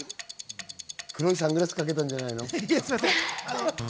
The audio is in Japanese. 黒いサングラスかけたんじゃないの？